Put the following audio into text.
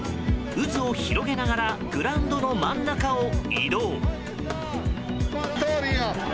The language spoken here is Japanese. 渦を広げながらグラウンドの真ん中を移動。